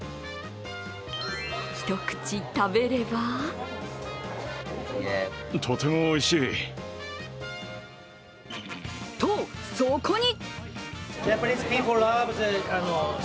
一口食べればと、そこに。